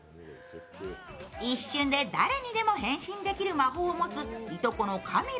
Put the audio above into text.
一瞬で誰にでも変身できる魔法を持つ、いとこのカミロ。